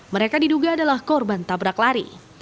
mereka diduga adalah korban tabrak lari